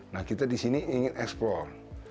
nah kita di sini ingin eksplor